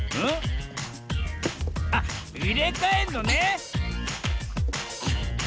あっいれかえんのね！